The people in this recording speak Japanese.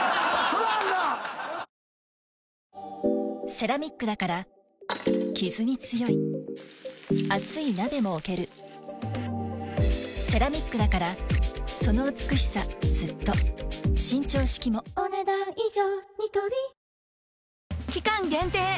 セラミックだからキズに強い熱い鍋も置けるセラミックだからその美しさずっと伸長式もお、ねだん以上。